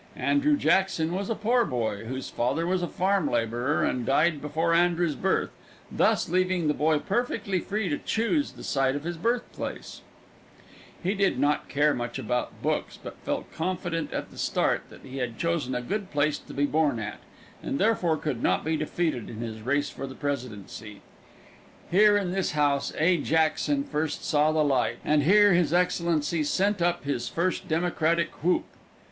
Andrew Jackson was a poor boy, whose father was a farm laborer and died before Andrew's birth, thus leaving the boy perfectly free to choose the site of his birthplace. He did not care much about books, but felt confident at the start that he had chosen a good place to be born at, and therefore could not be defeated in his race for the presidency. Here in this house A. Jackson first saw the light, and here his excellency sent up his first Democratic whoop.